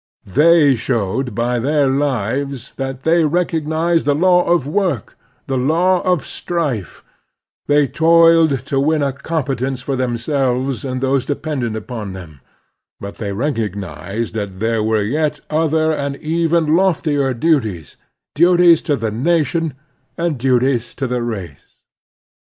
They showed by their lives that they recognized the law of work, the law of strife ; they toiled to win a competence for themselves and f those dependent upon them ; but they recognized \ that there were yet other and even loftier duties — duties to the nation and duties to the race.